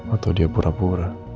atau dia pura pura